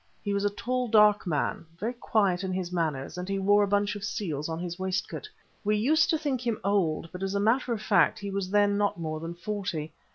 He was a tall, dark man, very quiet in his manners, and he wore a bunch of seals on his waistcoat. We used to think him old, but as a matter of fact he was then not more than forty.